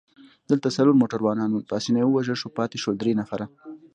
دلته څلور موټروانان ول، پاسیني ووژل شو، پاتې شول درې نفره.